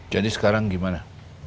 jadi sekarang gimana